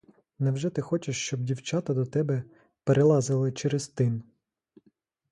Невже ти хочеш, щоб дівчата до тебе перелазили через тин?